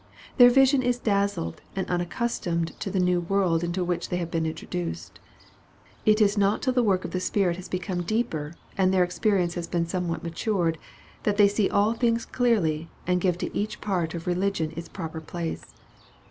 Their vision is dazzled and unaccustomed to the new world into which they have been introduced. It is not till the work of the Spirit has become deeper and their experience been somewhat matured, that they see all things clearly, and give to each part of religion its proper place.